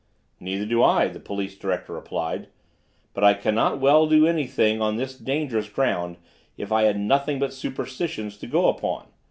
"Neither do I," the police director replied; "but I cannot well do anything on this dangerous ground if I had nothing but superstitions to go upon.